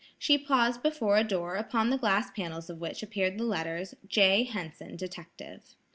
She paused before a door upon the glass panels of which appeared the letters: "J. Henson, Detective."